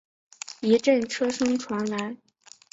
一阵车声传来